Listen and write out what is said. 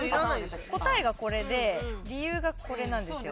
答えがこれで理由がこれなんですよ